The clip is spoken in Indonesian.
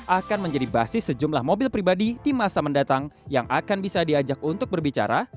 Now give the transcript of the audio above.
akan menjadi basis sejumlah mobil pribadi di masa mendatang yang akan bisa diajak untuk berbicara